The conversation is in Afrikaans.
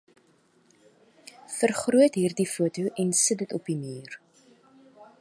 Vergroot hierdie foto en sit dit op die muur.